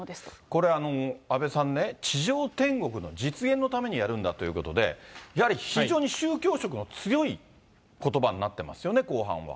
これ、阿部さんね、地上天国の実現のためにやるんだということで、やはり非常に宗教色の強いことばになってますよね、後半は。